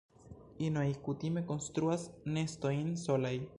Inoj kutime konstruas nestojn solaj.